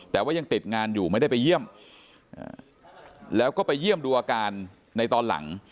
แต่ว่ายังติดงานอยู่ไม่ได้ไปเยี่ยมแล้วก็ไปเยี่ยมดูอาการในตอนหลัง